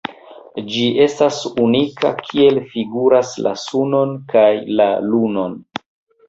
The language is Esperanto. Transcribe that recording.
Ĝi estas unika kiel figuras la Sunon kaj la Lunon.